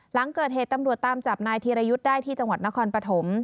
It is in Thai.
หลังเกิดเหตุตำรวจตามจับนายธีรยุทธ์ได้ที่จังหวัดนครปฐม